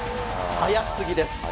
速すぎです。